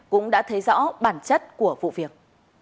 cũng đã thấy rõ bản chất của vụ tấn công